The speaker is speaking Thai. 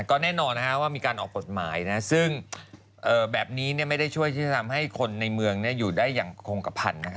ก็แน่นอนว่ามีการออกกฎหมายซึ่งแบบนี้ไม่ได้ช่วยที่จะทำให้คนในเมืองอยู่ได้อย่างคงกระพันธ์